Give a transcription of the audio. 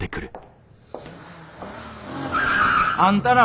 あんたら